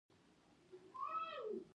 هګۍ د رنګونو لپاره هم کارېږي.